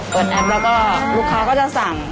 แอปแล้วก็ลูกค้าก็จะสั่ง